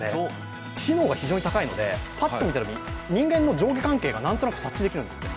知能が非常に高いので、ぱっと見たときに人間の上下関係が何となく察知できるんですって。